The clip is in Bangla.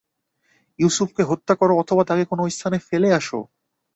ইউসুফকে হত্যা কর অথবা তাকে কোন স্থানে ফেলে আস।